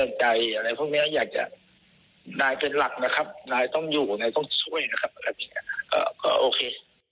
นายต้องอยู่นายต้องช่วยนะครับก็โอเค